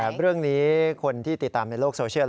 แต่เรื่องนี้คนที่ติดตามในโลกโซเชียล